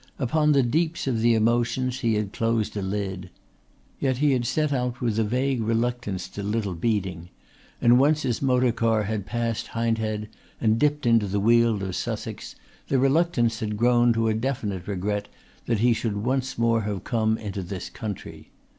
Upon the deeps of the emotions he had closed a lid. Yet he had set out with a vague reluctance to Little Beeding; and once his motor car had passed Hindhead and dipped to the weald of Sussex the reluctance had grown to a definite regret that he should once more have come into this country.